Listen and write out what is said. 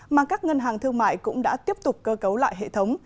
mà các ngân hàng thương mại cũng đã tiếp tục cơ cấu lại hệ thống